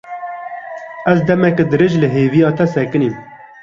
Ez demeke dirêj li hêviya te sekinîm.